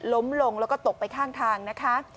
ล้มลงแล้วก็ตกไปข้างทางนะคะ